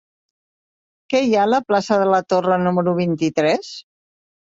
Què hi ha a la plaça de la Torre número vint-i-tres?